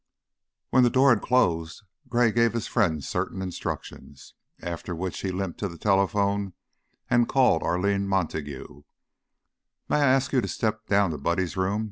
When the door had closed, Gray gave his friend certain instructions, after which he limped to the telephone and called Arline Montague. "May I ask you to step down to Buddy's room?"